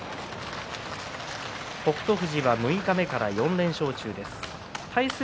富士は六日目から４連勝中です。